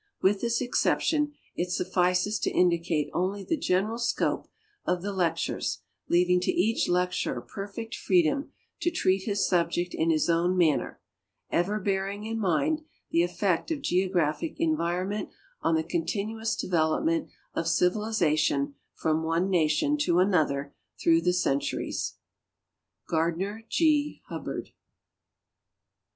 AVith this exception, it suffices to indicate onl}^ the general scope of the lectures, leaving to each lecturer perfect freedom to treat his subject in his own manner, ever bearing in mind the effect of geographic environ ment on the continuous development of civilization from one nation to another through the centuries. , Gardiner G. Hubbard.